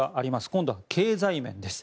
今度は経済面です。